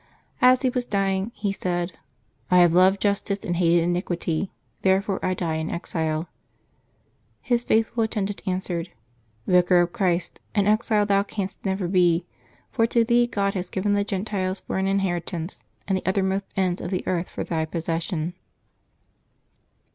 As he was dying, he said, " I have loved justice and hated iniquity, therefore I die in exile." His faithful attendant answered, " Vicar of Christ, an exile thou canst never be, for to thee God has given the Gentiles for an inheritance, and the uttermost ends of the earth for thy possession."